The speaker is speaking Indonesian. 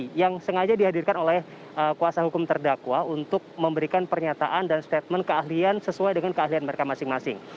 ini yang sengaja dihadirkan oleh kuasa hukum terdakwa untuk memberikan pernyataan dan statement keahlian sesuai dengan keahlian mereka masing masing